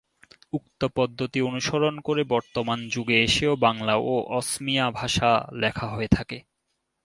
উক্ত পদ্ধতি অনুসরণ করে বর্তমান যুগে এসেও বাংলা ও অসমীয়া ভাষা লেখা হয়ে থাকে।